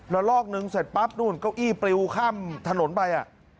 แล้วรอบนึงเสร็จปั๊บก้าวอี้ก๊าวอี้ปริ้วข้ามถนนไป